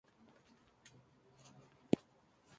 Se produce maíz, frijoles, trigo y hortalizas.